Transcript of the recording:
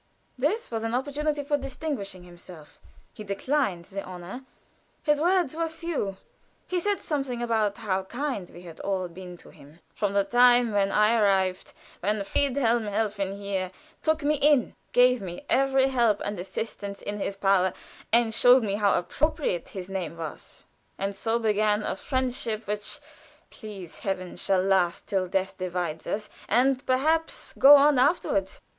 This was an opportunity for distinguishing himself. He declined the honor; his words were few; he said something about how kind we had all been to him, "from the time when I arrived; when Friedhelm Helfen, here, took me in, gave me every help and assistance in his power, and showed how appropriate his name was;[C] and so began a friendship which, please Heaven, shall last till death divides us, and perhaps go on afterward."